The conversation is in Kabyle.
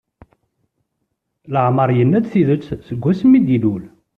Leɛmeṛ yenna-d tidet seg wasmi d-ilul.